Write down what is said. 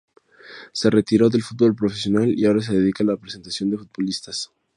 Se retiró del fútbol profesional y ahora se dedica a la representación de futbolistas.